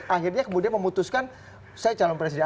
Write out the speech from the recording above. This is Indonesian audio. akhirnya kemudian memutuskan saya calon presiden